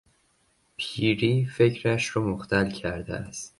پیری، فکرش را مختل کرده است.